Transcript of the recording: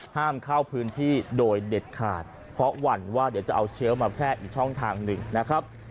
ห้ามเข้าพื้นที่โดยเด็ดขาดเพราะหวั่นว่าเดี๋ยวจะเอาเชื้อมาแพร่อีกช่องทางหนึ่งนะครับ